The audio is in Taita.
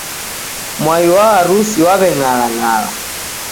Mwai wa harusi waw'eng'alang'ala.